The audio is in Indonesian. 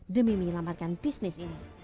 demi menyelamatkan bisnis ini